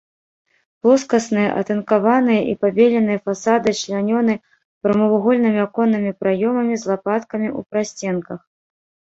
Плоскасныя атынкаваныя і пабеленыя фасады члянёны прамавугольнымі аконнымі праёмамі з лапаткамі ў прасценках.